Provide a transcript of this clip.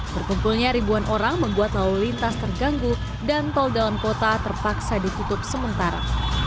berkumpulnya ribuan orang membuat lalu lintas terganggu dan tol dalam kota terpaksa ditutup sementara